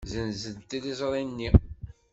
Ssenzent tiliẓri-nni.